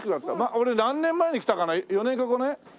俺何年前に来たかな４年か５年？